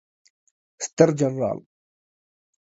ستر جنرال